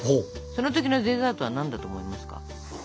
その時のデザートは何だと思いますか？